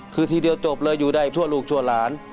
คือทีเดียวจบเลยอยู่ได้ชั่วลูกชั่วหลาน